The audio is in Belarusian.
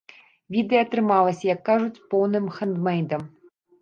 Відэа атрымалася, як кажуць, поўным хэндмэйдам.